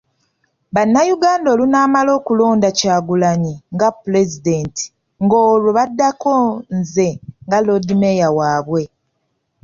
Bannayuganda olunaamala okulonda Kyagulanyi nga Pulezidenti ng'olwo baddako nze nga Loodimmeeya waabwe.